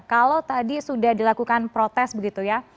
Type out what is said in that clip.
kalau tadi sudah dilakukan protes begitu ya